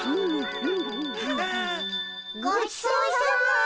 ごちそうさま。